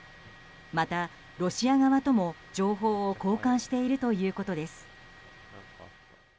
また、ロシア側とも情報を交換しているということです。